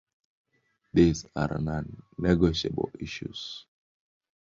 These are non-negotiable issues.